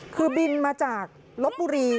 คือบินมาจากลบบุรี